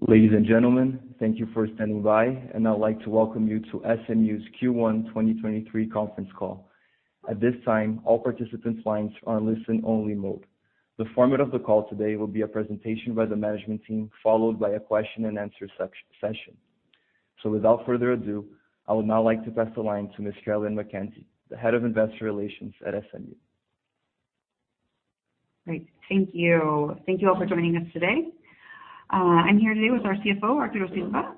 Ladies and gentlemen, thank you for standing by, and I'd like to welcome you to SMU's Q1 2023 Conference Call. At this time, all participants' lines are in listen-only mode. The format of the call today will be a presentation by the management team, followed by a question-and-answer session. Without further ado, I would now like to pass the line to Miss Carolyn McKenzie, Head of Investor Relations at SMU. Great. Thank you. Thank you all for joining us today. I'm here today with our CFO, Arturo Silva.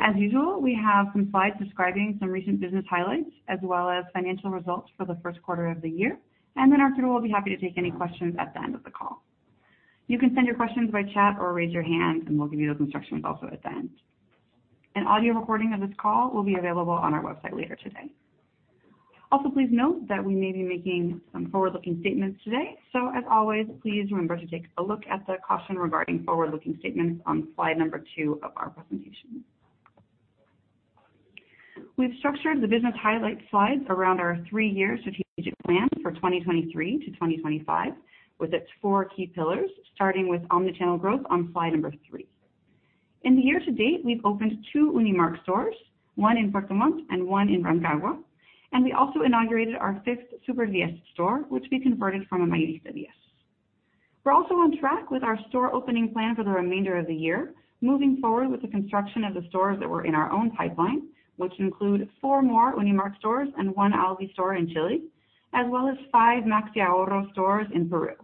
As usual, we have some slides describing some recent business highlights, as well as financial results for the first quarter of the year, and then Arturo will be happy to take any questions at the end of the call. You can send your questions by chat or raise your hand, and we'll give you those instructions also at the end. An audio recording of this call will be available on our website later today. Also, please note that we may be making some forward-looking statements today. As always, please remember to take a look at the caution regarding forward-looking statements on slide number two of our presentation. We've structured the business highlight slides around our three-year strategic plan for 2023 to 2025, with its four key pillars, starting with omnichannel growth on slide three. In the year to date, we've opened two Unimarc stores, one in Puerto Montt and one in Rancagua, and we also inaugurated our fifth Super 10 store, which we converted from a Mayorista 10. We're also on track with our store opening plan for the remainder of the year, moving forward with the construction of the stores that were in our own pipeline, which include four more Unimarc stores and one Alvi store in Chile, as well as five Maxi Ahorro stores in Peru.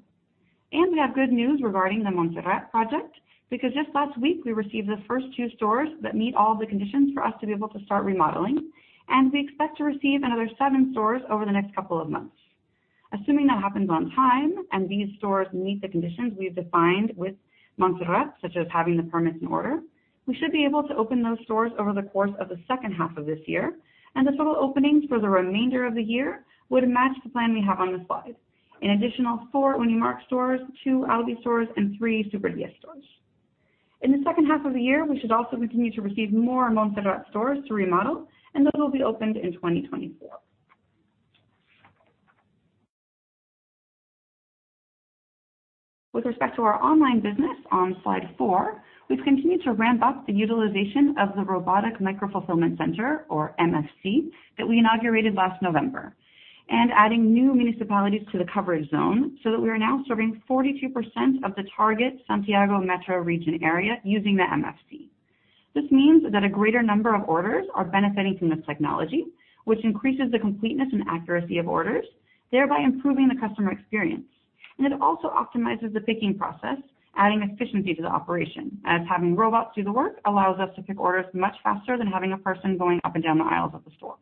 We have good news regarding the Montserrat project, because just last week, we received the first two stores that meet all the conditions for us to be able to start remodeling, and we expect to receive another seven stores over the next couple of months. Assuming that happens on time and these stores meet the conditions we've defined with Montserrat, such as having the permits in order, we should be able to open those stores over the course of the second half of this year, and the total openings for the remainder of the year would match the plan we have on the slide, an additional four Unimarc stores, two Alvi stores, and three Super 10 stores. In the second half of the year, we should also continue to receive more Montserrat stores to remodel, and those will be opened in 2024. With respect to our online business on slide four, we've continued to ramp up the utilization of the Robotic Micro Fulfillment Center or MFC that we inaugurated last November and adding new municipalities to the coverage zone so that we are now serving 42% of the target Santiago Metro region area using the MFC. This means that a greater number of orders are benefiting from this technology, which increases the completeness and accuracy of orders, thereby improving the customer experience. It also optimizes the picking process, adding efficiency to the operation, as having robots do the work allows us to pick orders much faster than having a person going up and down the aisles of the store.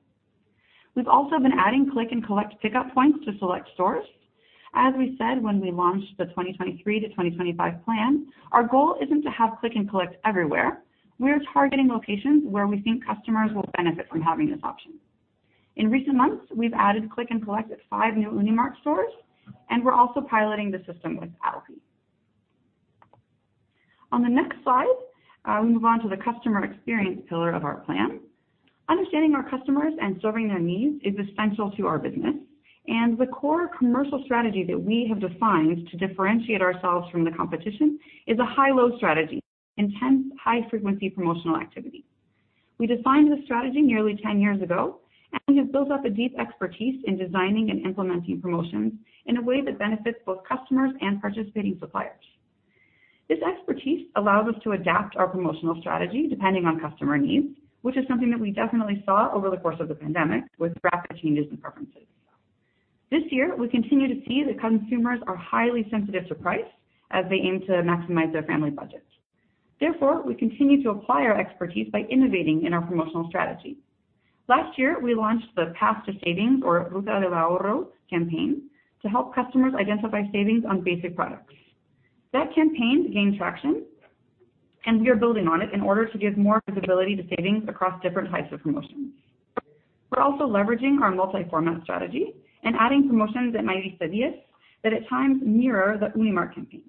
We've also been adding click and collect pickup points to select stores. As we said when we launched the 2023-2025 plan, our goal isn't to have click and collect everywhere. We're targeting locations where we think customers will benefit from having this option. In recent months, we've added click and collect at five new Unimarc stores, and we're also piloting the system with Alvi. On the next slide, we move on to the customer experience pillar of our plan. Understanding our customers and serving their needs is essential to our business. The core commercial strategy that we have defined to differentiate ourselves from the competition is a high-low strategy, intense high-frequency promotional activity. We defined this strategy nearly 10 years ago, and we have built up a deep expertise in designing and implementing promotions in a way that benefits both customers and participating suppliers. This expertise allows us to adapt our promotional strategy depending on customer needs, which is something that we definitely saw over the course of the pandemic with rapid changes in preferences. This year, we continue to see that consumers are highly sensitive to price as they aim to maximize their family budget. Therefore, we continue to apply our expertise by innovating in our promotional strategy. Last year, we launched the Path to Savings or Ruta del Ahorro campaign to help customers identify savings on basic products. That campaign gained traction, and we are building on it in order to give more visibility to savings across different types of promotions. We're also leveraging our multi-format strategy and adding promotions at MiDi service that at times mirror the Unimarc campaigns.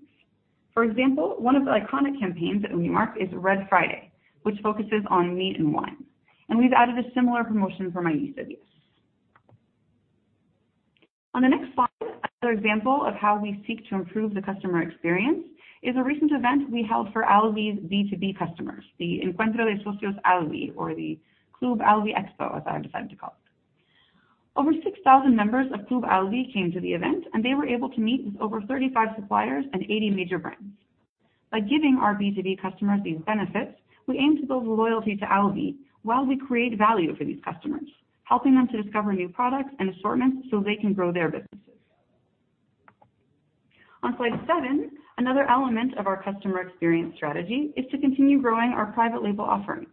For example, one of the iconic campaigns at Unimarc is Red Friday, which focuses on meat and wine. We've added a similar promotion for MiDi service. On the next slide, another example of how we seek to improve the customer experience is a recent event we held for Alvi's B2B customers, the Encuentro de Socios Alvi or the Club Alvi Expo, as I've decided to call it. Over 6,000 members of Club Alvi came to the event, and they were able to meet with over 35 suppliers and 80 major brands. By giving our B2B customers these benefits, we aim to build loyalty to Alvi while we create value for these customers, helping them to discover new products and assortments so they can grow their businesses. On slide seven, another element of our customer experience strategy is to continue growing our private label offering,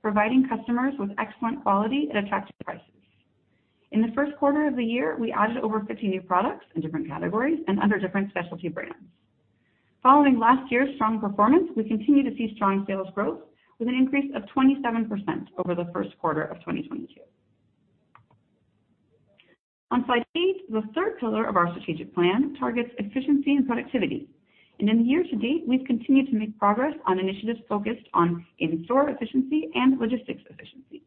providing customers with excellent quality at attractive prices. In the first quarter of the year, we added over 50 new products in different categories and under different specialty brands. Following last year's strong performance, we continue to see strong sales growth with an increase of 27% over the first quarter of 2022. On slide eight, the third pillar of our strategic plan targets efficiency and productivity. In the year to date, we've continued to make progress on initiatives focused on in-store efficiency and logistics efficiency.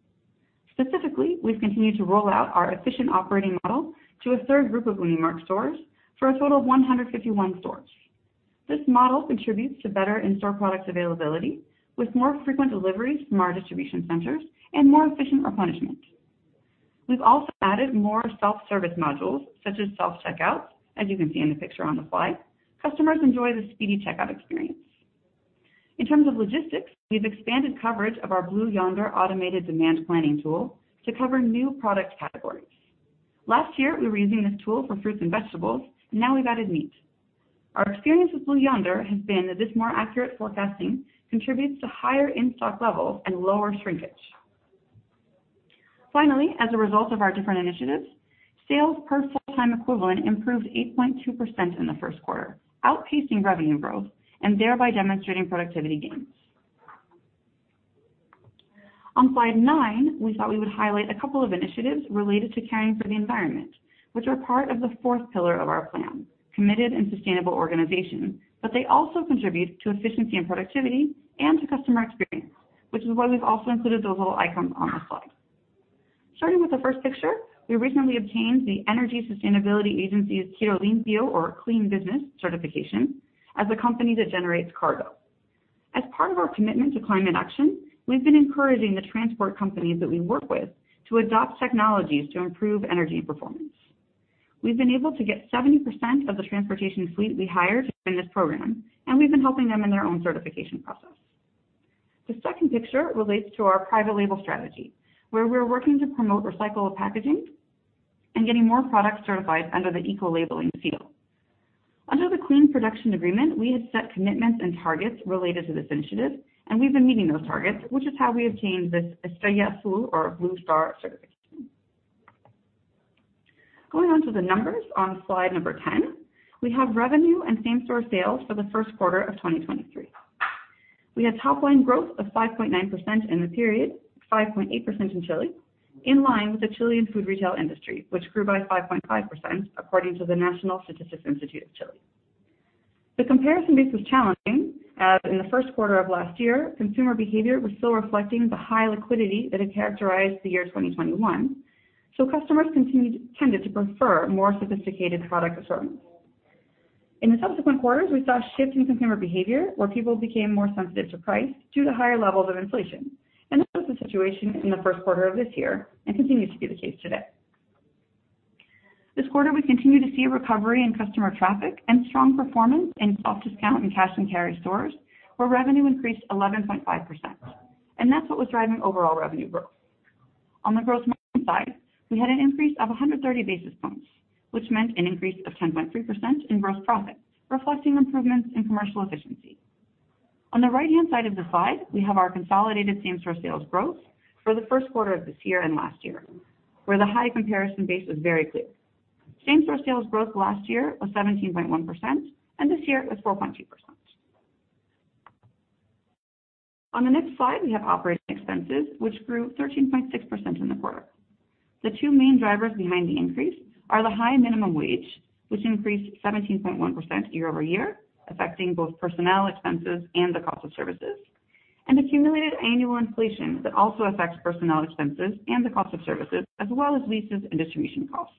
Specifically, we've continued to roll out our efficient operating model to a third group of Unimarc stores for a total of 151 stores. This model contributes to better in-store product availability, with more frequent deliveries from our distribution centers and more efficient replenishment. We've also added more self-service modules, such as self-checkouts, as you can see in the picture on the slide. Customers enjoy the speedy checkout experience. In terms of logistics, we've expanded coverage of our Blue Yonder automated demand planning tool to cover new product categories. Last year, we were using this tool for fruits and vegetables, and now we've added meat. Our experience with Blue Yonder has been that this more accurate forecasting contributes to higher in-stock levels and lower shrinkage. Finally, as a result of our different initiatives, sales per full-time equivalent improved 8.2% in the first quarter, outpacing revenue growth and thereby demonstrating productivity gains. On slide 9, we thought we would highlight a couple of initiatives related to caring for the environment, which are part of the fourth pillar of our plan, committed and sustainable organization, but they also contribute to efficiency and productivity and to customer experience, which is why we've also included those little icons on the slide. Starting with the first picture, we recently obtained the Energy Sustainability Agency's Giro Limpio or clean business certification as a company that generates cargo. As part of our commitment to climate action, we've been encouraging the transport companies that we work with to adopt technologies to improve energy performance. We've been able to get 70% of the transportation fleet we hired in this program, and we've been helping them in their own certification process. The second picture relates to our private label strategy, where we're working to promote recycled packaging and getting more products certified under the ecolabeling seal. Under the Clean Production Agreement, we had set commitments and targets related to this initiative, and we've been meeting those targets, which is how we obtained this Estrella Azul or Blue Star certification. Going on to the numbers on slide number 10, we have revenue and same-store sales for the first quarter of 2023. We had top line growth of 5.9% in the period, 5.8% in Chile, in line with the Chilean food retail industry, which grew by 5.5%, according to the National Statistics Institute of Chile. The comparison base was challenging as in the first quarter of last year, consumer behavior was still reflecting the high liquidity that had characterized the year 2021. Customers tended to prefer more sophisticated product assortments. In the subsequent quarters, we saw a shift in consumer behavior where people became more sensitive to price due to higher levels of inflation. That was the situation in the first quarter of this year and continues to be the case today. This quarter, we continue to see a recovery in customer traffic and strong performance in soft discount and cash and carry stores, where revenue increased 11.5%. That's what was driving overall revenue growth. On the gross margin side, we had an increase of 130 basis points, which meant an increase of 10.3% in gross profit, reflecting improvements in commercial efficiency. On the right-hand side of the slide, we have our consolidated same-store sales growth for the first quarter of this year and last year, where the high comparison base was very clear. Same-store sales growth last year was 17.1%, and this year is 4.2%. On the next slide, we have operating expenses, which grew 13.6% in the quarter. The two main drivers behind the increase are the high minimum wage, which increased 17.1% year-over-year, affecting both personnel expenses and the cost of services, and accumulated annual inflation that also affects personnel expenses and the cost of services, as well as leases and distribution costs.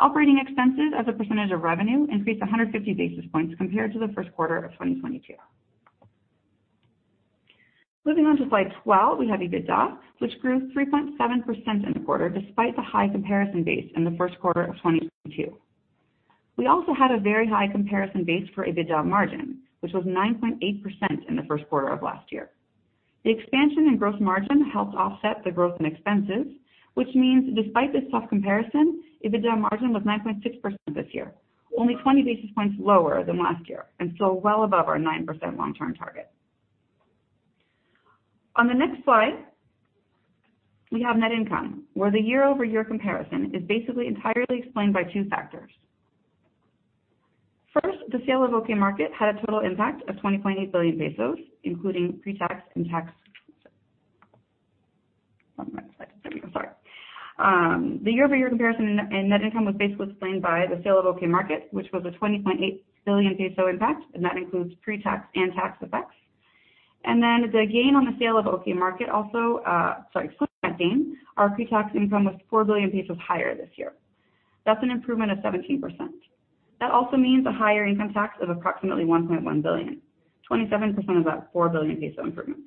Operating expenses as a percentage of revenue increased 150 basis points compared to the first quarter of 2022. Moving on to slide 12, we have EBITDA, which grew 3.7% in the quarter despite the high comparison base in the first quarter of 2022. We also had a very high comparison base for EBITDA margin, which was 9.8% in the first quarter of last year. The expansion in gross margin helped offset the growth in expenses, which means despite this tough comparison, EBITDA margin was 9.6% this year, only 20 basis points lower than last year, well above our 9% long-term target. On the next slide, we have net income, where the year-over-year comparison is basically entirely explained by two factors. First, the year-over-year comparison in net income was basically explained by the sale of OK Market, which was a 20.8 billion peso impact, and that includes pre-tax and tax effects. Excluding that gain, our pre-tax income was 4 billion pesos higher this year. That's an improvement of 17%. That also means a higher income tax of approximately 1.1 billion, 27% of that 4 billion peso improvement.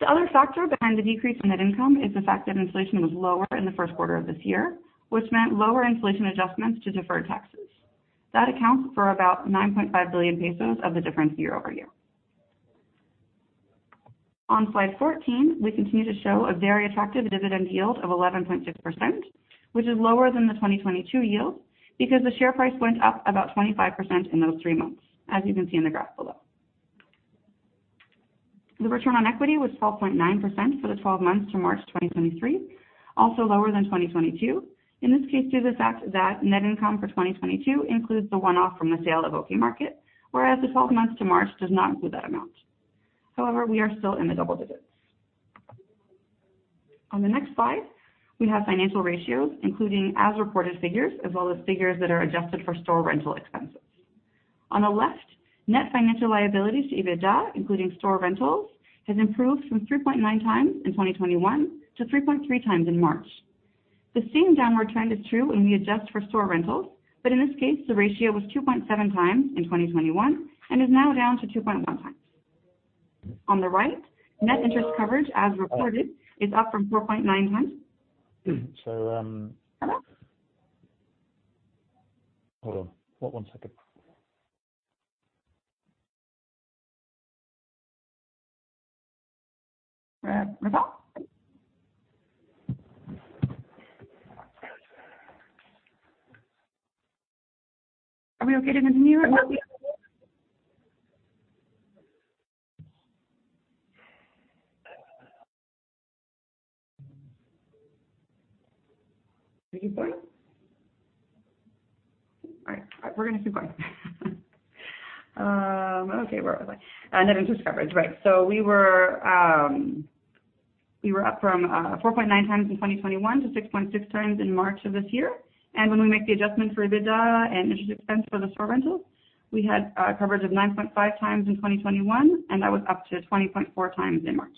The other factor behind the decrease in net income is the fact that inflation was lower in the first quarter of this year, which meant lower inflation adjustments to deferred taxes. That accounts for about 9.5 billion pesos of the difference year-over-year. On slide 14, we continue to show a very attractive dividend yield of 11.6%, which is lower than the 2022 yield, because the share price went up about 25% in those three months, as you can see in the graph below. The return on equity was 12.9% for the 12 months to March 2023, also lower than 2022. In this case, due to the fact that net income for 2022 includes the one-off from the sale of OK Market, whereas the 12 months to March does not include that amount. However, we are still in the double digits. On the next slide, we have financial ratios, including as reported figures, as well as figures that are adjusted for store rental expenses. On the left, net financial liabilities to EBITDA, including store rentals, has improved from 3.9 times in 2021 to 3.3 times in March. The same downward trend is true when we adjust for store rentals, but in this case, the ratio was 2.7 times in 2021 and is now down to 2.1 times. On the right, net interest coverage as reported is up from 4.9 times. So, Hello? Hold on. One second. Hello? Are we okay to continue or not? Keep going? All right. We're gonna keep going. Okay, where was I? Net interest coverage. Right. We were up from 4.9 times in 2021 to 6.6 times in March of this year. When we make the adjustment for EBITDA and interest expense for the store rentals, we had coverage of 9.5 times in 2021, and that was up to 20.4 times in March.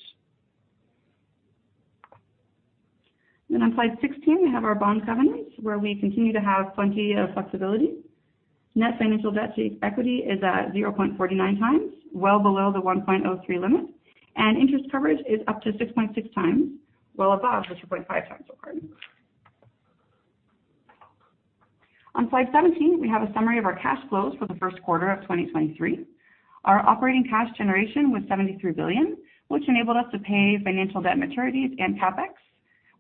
On slide 16, we have our bond covenants, where we continue to have plenty of flexibility. Net financial debt to equity is at 0.49 times, well below the 1.03 limit. Interest coverage is up to 6.6 times, well above the 2.5 times required. On slide 17, we have a summary of our cash flows for the first quarter of 2023. Our operating cash generation was 73 billion, which enabled us to pay financial debt maturities and Capex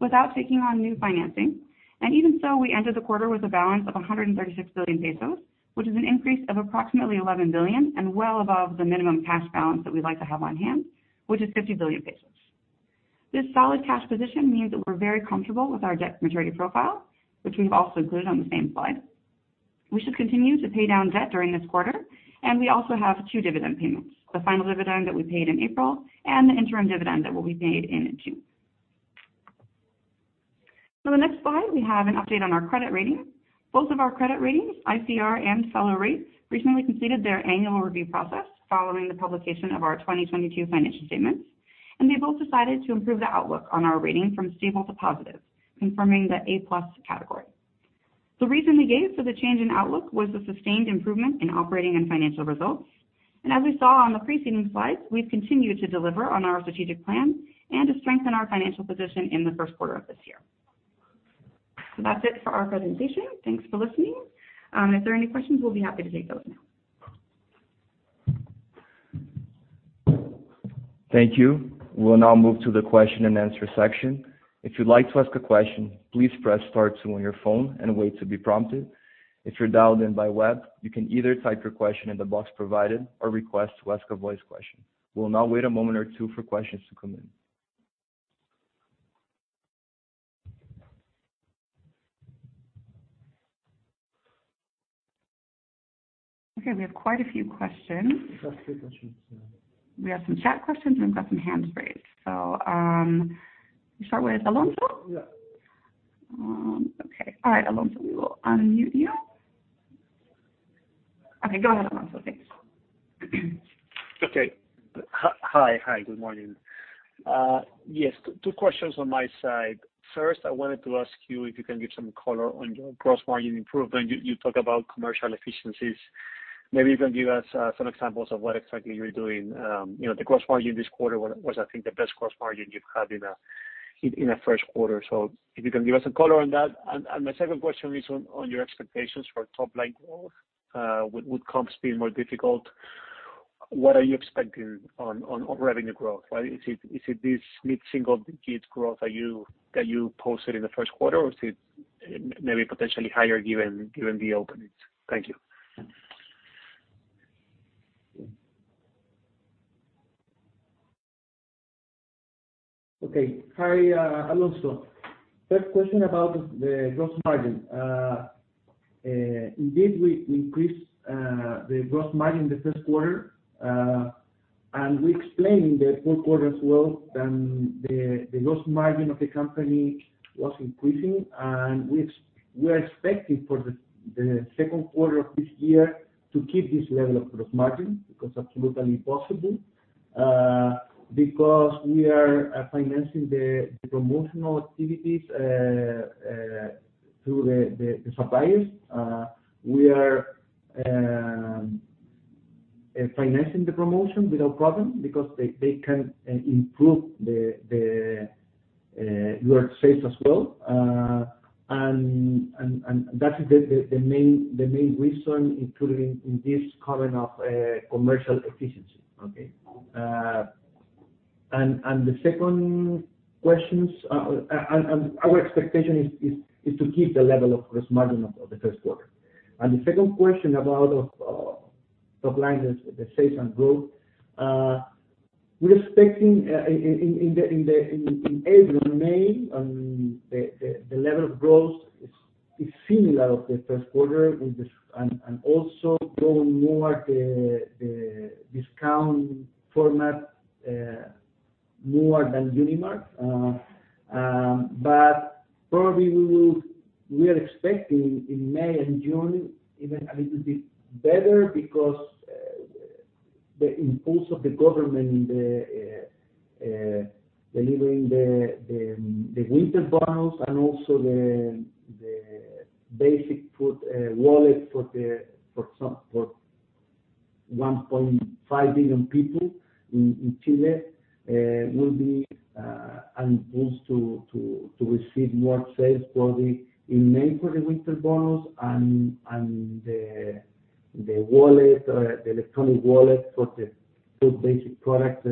without taking on new financing. Even so, we ended the quarter with a balance of 136 billion pesos, which is an increase of approximately 11 billion and well above the minimum cash balance that we'd like to have on hand, which is 50 billion pesos. This solid cash position means that we're very comfortable with our debt maturity profile, which we've also included on the same slide. We should continue to pay down debt during this quarter, and we also have two dividend payments: the final dividend that we paid in April and the interim dividend that will be paid in June. The next slide, we have an update on our credit rating. Both of our credit ratings, ICR and Feller Rate, recently completed their annual review process following the publication of our 2022 financial statements, and they both decided to improve the outlook on our rating from stable to positive, confirming the A+ category. The reason they gave for the change in outlook was the sustained improvement in operating and financial results. As we saw on the preceding slides, we've continued to deliver on our strategic plan and to strengthen our financial position in the first quarter of this year. That's it for our presentation. Thanks for listening. If there are any questions, we'll be happy to take those now. Thank you. We'll now move to the question-and-answer section. If you'd like to ask a question, please press star two on your phone and wait to be prompted. If you're dialed in by web, you can either type your question in the box provided or request to ask a voice question. We'll now wait a moment or two for questions to come in. Okay, we have quite a few questions. We've got three questions. We have some chat questions, and we've got some hands raised. Start with Alonso? Yeah. Okay. All right. Alonso, we will unmute you. Okay, go ahead, Alonso. Thanks. Okay. Hi, good morning. Yes, two questions on my side. First, I wanted to ask you if you can give some color on your gross margin improvement. You talk about commercial efficiencies. Maybe you can give us some examples of what exactly you're doing. You know, the gross margin this quarter was, I think, the best gross margin you've had in a first quarter. So if you can give us some color on that. My second question is on your expectations for top line growth. Would comps be more difficult? What are you expecting on revenue growth? Is it this mid-single digits growth that you posted in the first quarter, or is it maybe potentially higher given the openings? Thank you. Okay. Hi, Alonso. First question about the gross margin. Indeed, we increased the gross margin in the first quarter. We explained in the fourth quarter as well that the gross margin of the company was increasing. We are expecting for the second quarter of this year to keep this level of gross margin, because it's absolutely possible, because we are financing the promotional activities through the suppliers. We are financing the promotion without problem because they can improve your sales as well. That is the main reason, including in this context of commercial efficiency. Okay. The second questions. Our expectation is to keep the level of gross margin of the first quarter. The second question about top line, the sales and growth. We're expecting in April and May the level of growth is similar to the first quarter with this. Also going more to the discount format, more than Unimarc. Probably we are expecting in May and June even a little bit better because the impulse of the government in delivering the winter bonus and also the basic food wallet for 1.5 million people in Chile will be a boost to receive more sales in May for the winter bonus and the wallet, the electronic wallet for the food basic products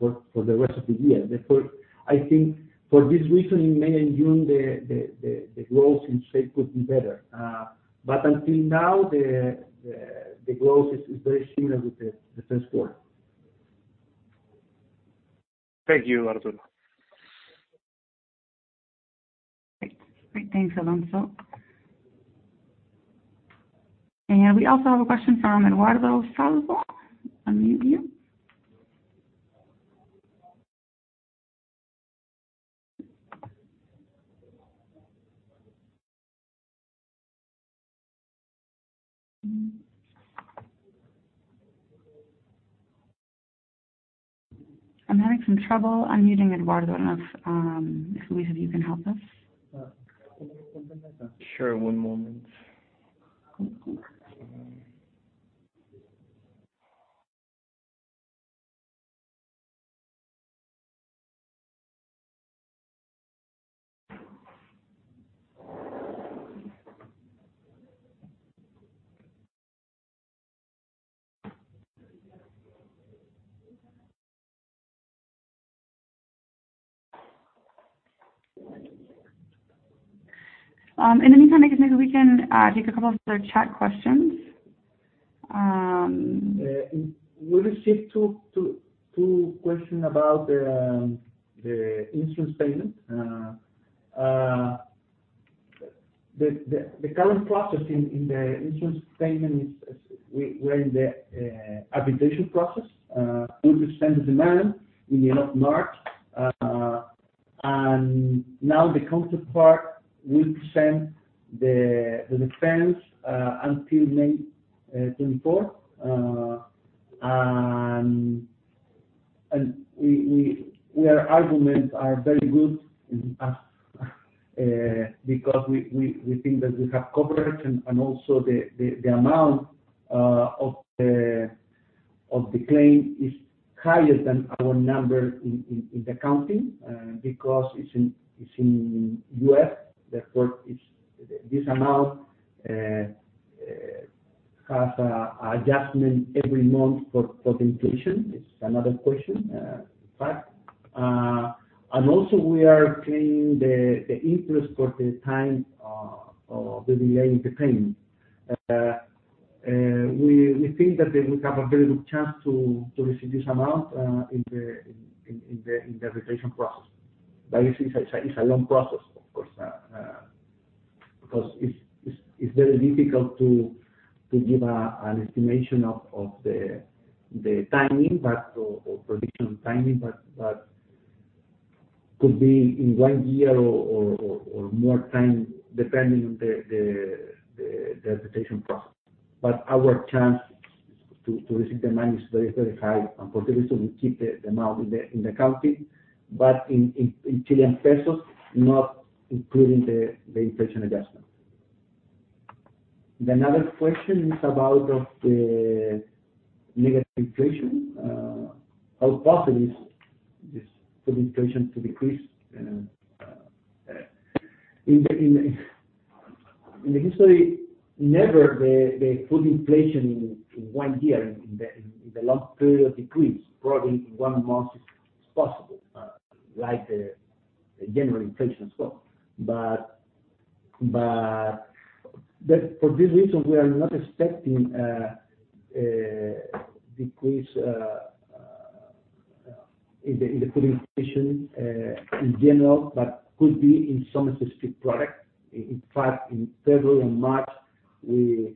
for the rest of the year. Therefore, I think for this reason in May and June the growth in sales could be better. Until now the growth is very similar with the first quarter. Thank you, Arturo. Great. Thanks, Alonso. We also have a question from Eduardo Salvo. Unmute you. I'm having some trouble unmuting Eduardo. I don't know if Luis can help us. Sure, one moment. In the meantime, I guess maybe we can take a couple of other chat questions. We received two questions about the insurance payment. The current process in the insurance payment is we're in the arbitration process. We present the demand in the end of March. Now the counterpart will present the defense until May twenty-fourth. Our arguments are very good because we think that we have coverage and also the amount of the claim is higher than our number in the currency because it's in U.S. Therefore this amount has an adjustment every month for the inflation. It's another question, in fact. We are claiming the interest for the time of the delay in the payment. We think that we have a very good chance to receive this amount in the arbitration process. It's a long process of course, because it's very difficult to give an estimation of the timing or prediction timing. Could be in one year or more time depending on the arbitration process. Our chance to receive the money is very high. For this reason, we keep the amount in the country, but in Chilean pesos, not including the inflation adjustment. Another question is about the negative inflation. How possible is this for the inflation to decrease? In the history, never the food inflation in one year in the long period decreased. Probably in one month it's possible, like the general inflation as well. For this reason, we are not expecting decrease in the food inflation in general, but could be in some specific product. In fact, in February and March, we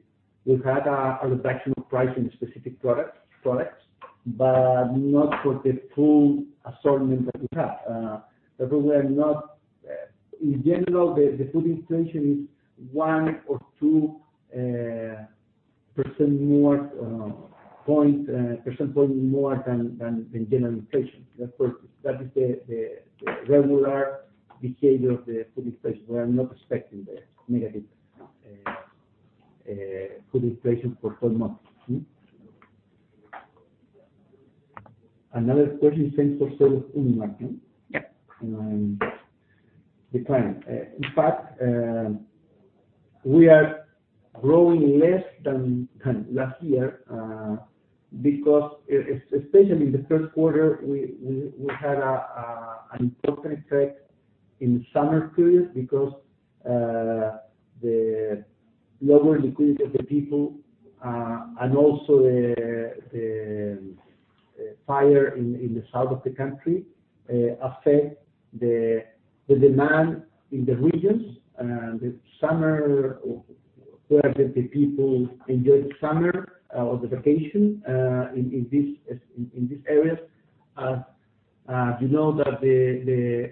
had a reduction of price in specific products, but not for the full assortment that we have. In general, the food inflation is one or two percentage points more than general inflation. Therefore, that is the regular behavior of the food inflation. We are not expecting the negative food inflation for 12 months. Another question is in terms of sales in Unimarc, yeah, decline. In fact, we are growing less than last year, because especially in the first quarter, we had an important effect in summer period because the lower liquidity of the people and also the fire in the south of the country affect the demand in the regions. The summer where the people enjoy the summer or the vacation in these areas. You know that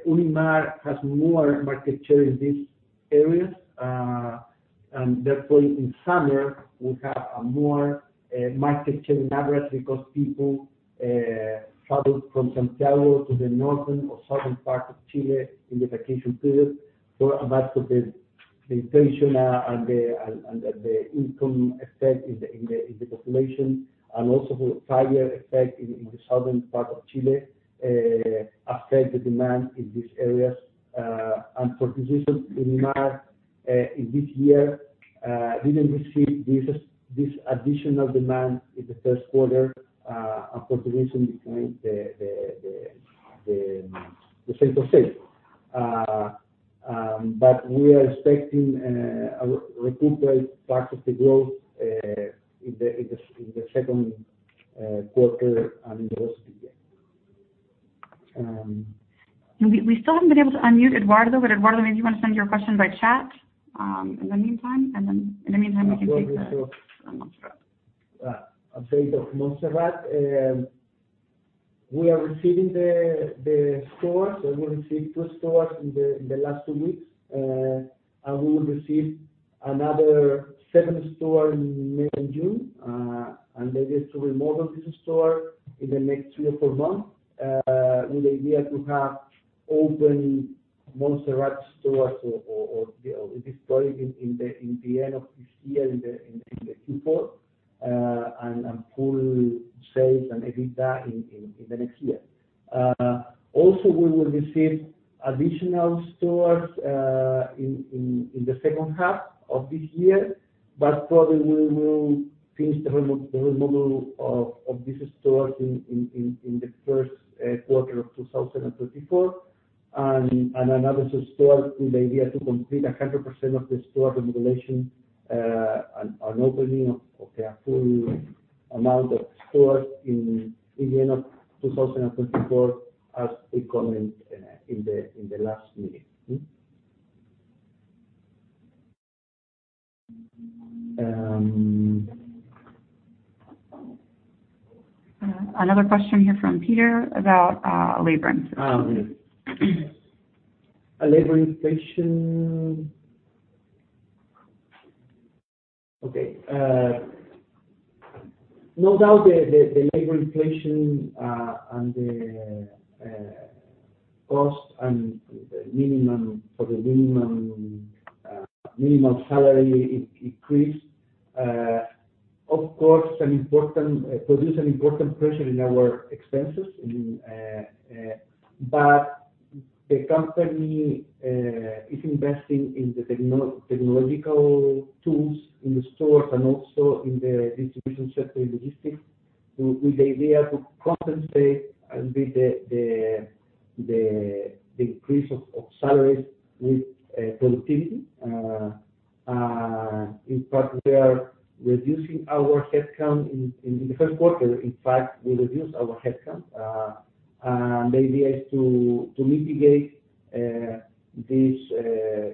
Unimarc has more market share in these areas. Therefore in summer, we have more market share on average because people travel from Santiago to the northern or southern part of Chile in the vacation period. Most of the inflation and the income effect in the population, and also the higher effect in the southern part of Chile, affect the demand in these areas. For this reason, Unimarc in this year didn't receive this additional demand in the first quarter, and for this reason the same-store sales. We are expecting to recuperate part of the growth in the second quarter and the rest of the year. We still haven't been able to unmute Eduardo, but Eduardo, maybe you wanna send your question by chat, in the meantime, and then in the meantime we can take the- I will give you. Montserrat. Update on Montserrat. We are receiving the stores, and we received two stores in the last two weeks. We will receive another seven stores in May and June. The idea is to remodel these stores in the next three or four months, with the idea to have open Montserrat stores starting in the end of this year in the airport and boost sales and EBITDA in the next year. Also we will receive additional stores in the second half of this year, but probably we will finish the remodel of these stores in the first quarter of 2024. another store with the idea to complete 100% of the store renovation, and opening of the full amount of stores in the end of 2024, as we comment in the last meeting. Another question here from Peter about labor increases. Yes. Labor inflation. No doubt the labor inflation and the cost of the minimum salary increase. Of course, it produces an important pressure in our expenses. The company is investing in the technological tools in the stores and also in the distribution center logistics with the idea to compensate a bit the increase of salaries with productivity. In fact, we are reducing our headcount in the first quarter. In fact, we reduced our headcount. The idea is to mitigate this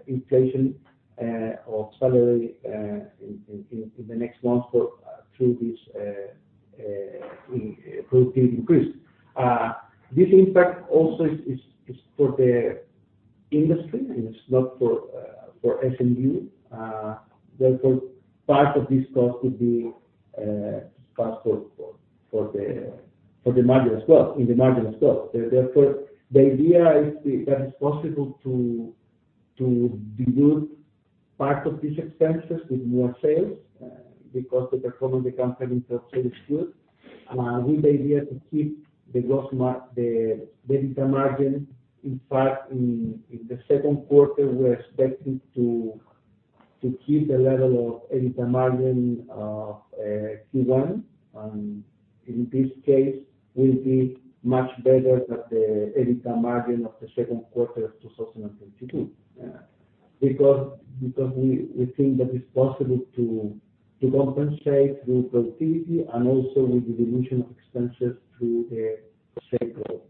inflation of salary in the next months or through an increase in productivity. This impact also is for the industry, and it's not for SMU. Therefore, part of this cost will be passed through for the margin as well. Therefore, the idea is that it's possible to dilute part of these expenses with more sales, because the performance of the company in terms of sales is good, with the idea to keep the EBITDA margin. In fact, in the second quarter, we're expecting to keep the level of EBITDA margin of Q1. In this case, we'll be much better than the EBITDA margin of the second quarter of 2022. Because we think that it's possible to compensate with productivity and also with the dilution of expenses through the same growth.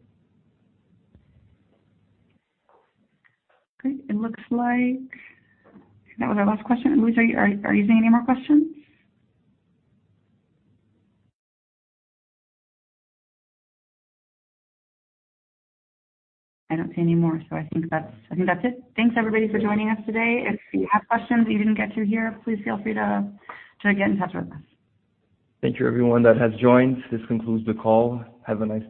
Great. It looks like that was our last question. Luis, are you seeing any more questions? I don't see any more, so I think that's it. Thanks everybody for joining us today. If you have questions we didn't get to here, please feel free to get in touch with us. Thank you everyone that has joined. This concludes the call. Have a nice day.